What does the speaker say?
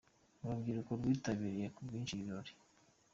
Urubyiruko rwitabiriye ku bwinshi ibi birori.